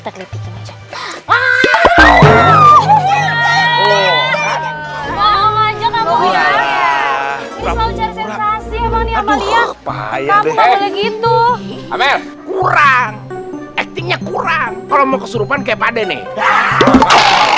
kurang kurang kalau mau kesurupan kepadanya